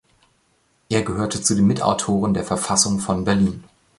Er gehörte zu den Mitautoren der Verfassung von Berlin.